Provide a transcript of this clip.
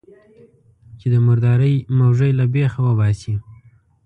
چې د مردارۍ موږی له بېخه وباسي.